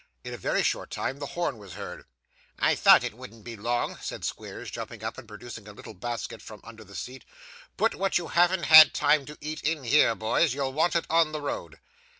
In a very short time, the horn was heard. 'I thought it wouldn't be long,' said Squeers, jumping up and producing a little basket from under the seat; 'put what you haven't had time to eat, in here, boys! You'll want it on the road!